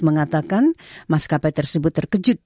mengatakan maskapai tersebut terkejut